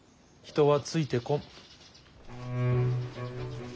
人はついてこん。